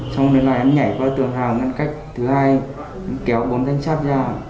xong đến lại em nhảy qua tường hào ngăn cách thứ hai kéo bóng thanh sát ra